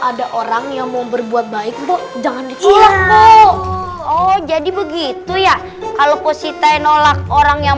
ada orang yang mau berbuat baik bu jangan dipulang bu oh jadi begitu ya kalau positif nolak orang yang